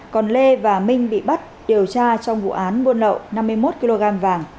còn lê và minh bị bắt điều tra trong vụ án buôn lậu năm mươi một kg vàng